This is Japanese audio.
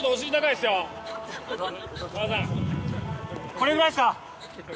これぐらいっすか？